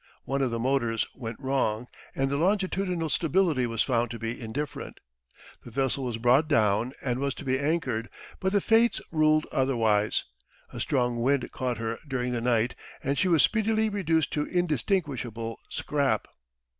One of the motors went wrong, and the longitudinal stability was found to be indifferent. The vessel was brought down, and was to be anchored, but the Fates ruled otherwise. A strong wind caught her during the night and she was speedily reduced to indistinguishable scrap.